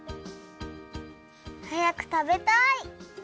はやくたべたい！